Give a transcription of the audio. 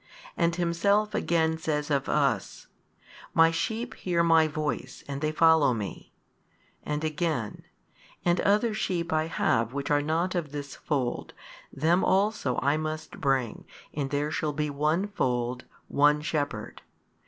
And Himself again says of us, My sheep hear My voice and they follow Me, and again, And other sheep I have which are not of this fold, them also I must bring and there shall be one fold, one Shepherd.